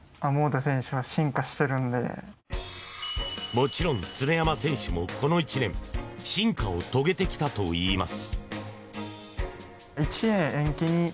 もちろん常山選手もこの１年進化を遂げてきたといいます。